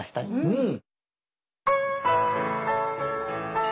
うん。